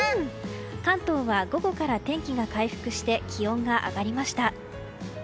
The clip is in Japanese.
関東は午後から天気が回復して気温が上がりました。